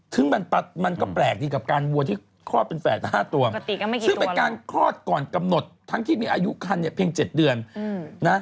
ซึ่งมันก็แปลกดีกับการบัวที่คลอดไป๗ตัวกดก็ไม่ถึงการคลอดก่อนกำหนดทั้งทีมีอายุคันเพียง๗เดือนนะ